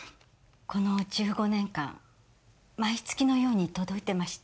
この１５年間毎月のように届いてました。